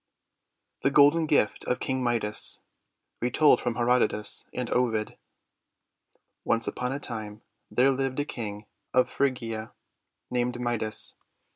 THE GOLDEN GIFT OF KING MIDAS Retold from Herodotus and Ovid ONCE upon a time, there lived a King of Phrygia named Midas.